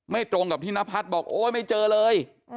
ตรงกับที่นพัฒน์บอกโอ๊ยไม่เจอเลย